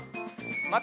また。